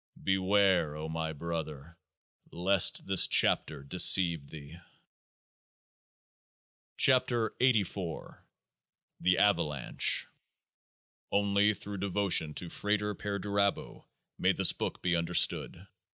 Beware, O my brother, lest this chapter de ceive thee ! 101 KEOAAH nA THE AVALANCHE Only through devotion to FRATER PER DURABO may this book be understood.